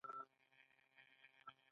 مصنوعي ځیرکتیا د روغتیايي لاسرسي ملاتړ کوي.